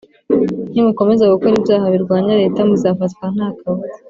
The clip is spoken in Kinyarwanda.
nimukomeza gukora ibyaha birwanya leta muzafatwa ntakabuza